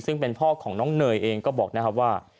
ซึ่งเป็นพ่อของน้องเนยเองก็บอกนะครับว่า